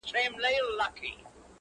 د دوست دوست او د کافر دښمن دښمن یو-